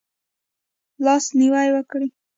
لاس نیوی وکړئ